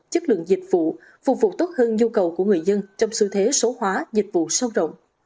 chất lượng dịch vụ phục vụ tốt hơn nhu cầu của người dân trong xu thế số hóa dịch vụ sâu rộng